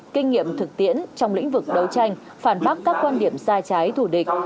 kinh nghiệm thực tiễn trong lĩnh vực đấu tranh phản bác các quan điểm sai trái thủ địch